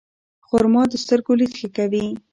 خرما د سترګو لید ښه کوي.